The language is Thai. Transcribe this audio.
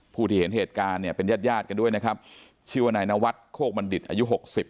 ผู้ที่เห็นเหตุการณ์เป็นญาติยาดกันด้วยชีวนายนวัตรโคกบันดิตอายุ๖๐